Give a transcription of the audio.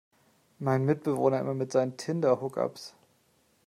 Mein Mitbewohner immer mit seinen Tinder-Hookups!